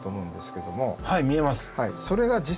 はい見えます。